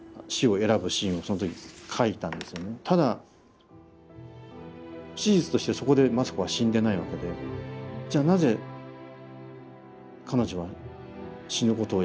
ただ史実としてそこで政子は死んでないわけでじゃあなぜ彼女は死ぬことをやめたのかってなった時に